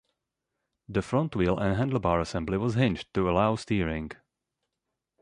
The front wheel and handlebar assembly was hinged to allow steering.